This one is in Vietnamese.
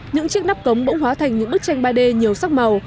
những chiếc nắp cống bỗng hóa thành những bức tranh ba d nhiều sắc màu